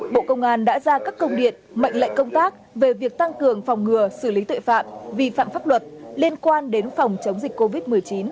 bộ công an đã ra các công điện mệnh lệnh công tác về việc tăng cường phòng ngừa xử lý tội phạm vi phạm pháp luật liên quan đến phòng chống dịch covid một mươi chín